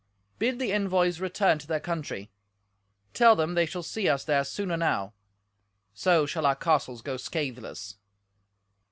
Bid the envoys return to their country; tell them they shall see us there soon enow. So shall our castles go scatheless."